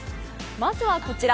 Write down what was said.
まずはこちら。